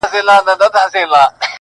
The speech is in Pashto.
ستا دي غاړه وي په ټوله قام کي لکه.!